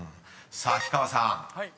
［さあ氷川さん